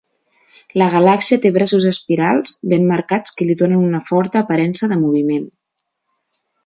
La galàxia té braços espirals ben marcats que li donen una forta aparença de moviment.